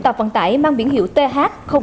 tàu vận tải mang biển hiệu th tám trăm chín mươi chín